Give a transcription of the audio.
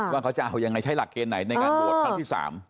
ว่าเขาจะเอายังไงใช้หลักเกณฑ์ไหนในการโหวตครั้งที่๓